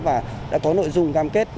và đã có nội dung cam kết